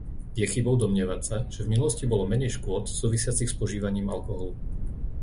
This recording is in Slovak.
Je chybou domnievať sa, že v minulosti bolo menej škôd súvisiacich s požívaním alkoholu.